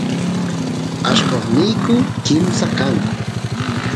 allqosniyku kimsa kanku